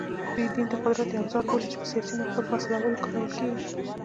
دوی دین د قدرت یو اوزار بولي چې په سیاسي موقف حاصلولو کارول کېږي